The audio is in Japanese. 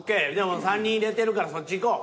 ３人入れてるからそっちいこう。